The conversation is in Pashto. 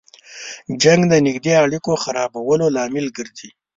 جنګ د نږدې اړیکو خرابولو لامل ګرځي.